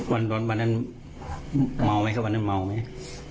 วันร้อนวันนั้นเมาไหมคะวันนั้นเมาไหม